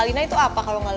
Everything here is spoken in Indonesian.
positive e pandasisnya